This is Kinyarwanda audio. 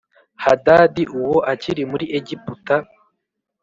Hadadi uwo akiri muri Egiputa